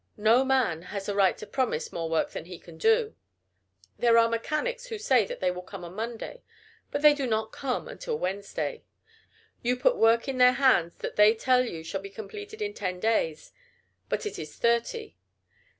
No man has a right to promise more work than he can do. There are mechanics who say that they will come Monday, but they do not come until Wednesday. You put work in their hands that they tell you shall be completed in ten days, but it is thirty.